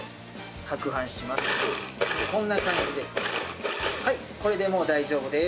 こんな感じではい。